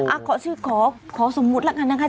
อ้าวขอชื่อขอสมมุติละกันนะคะ